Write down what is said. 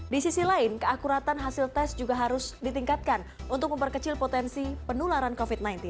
di sisi lain keakuratan hasil tes juga harus ditingkatkan untuk memperkecil potensi penularan covid sembilan belas